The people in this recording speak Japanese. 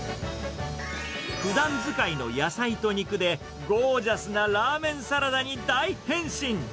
ふだん使いの野菜と肉で、ゴージャスなラーメンサラダに大変身。